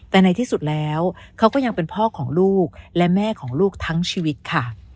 แต่ในที่สุดแล้วเขาก็ยังเป็นพ่อของลูกและแม่ของลูกทั้งชีวิตค่ะ